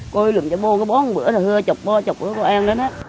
cô đi lượm cho bố bố một bữa là hưa chọc bố chọc bố cô ăn hết